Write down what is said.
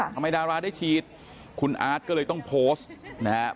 ทำไมดาราได้ฉีดคุณอาร์ดก็เลยต้องโพสต์นะฮะ